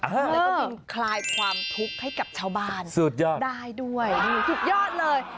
แล้วก็บินคลายความทุกข์ให้กับชาวบ้านสุดยอดได้ด้วยสุดยอดเลย